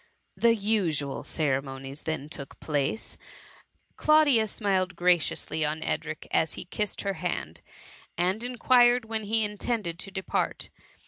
The usual ceremonies then took place :— Claudia smiled graciously on Edric as he kissed her hand, and inquired when he in tended to depart.